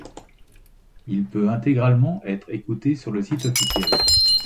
Il peut intégralement être écouté sur le site officiel.